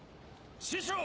師匠！